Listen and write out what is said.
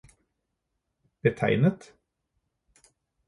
betegnet